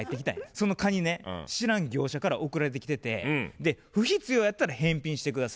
そのカニね知らん業者から送られてきてて「不必要やったら返品して下さい」と。